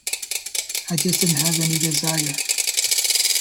I just didn't have any desire.